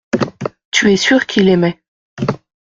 Tu es sûr qu’il aimait.